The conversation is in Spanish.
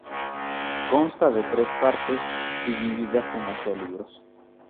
Consta de tres partes, divididas en ocho libros.